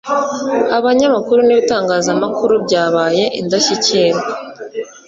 abanyamakuru n ibitangazamakuru byabaye indashyikirwa